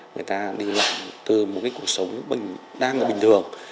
người ta đi lại từ một cái cuộc sống đang là bình thường